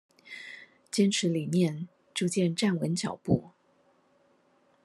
堅持理念，逐漸站穩腳步